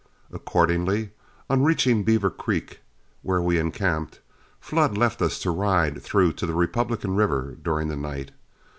Accordingly, on reaching Beaver Creek, where we encamped, Flood left us to ride through to the Republican River during the night.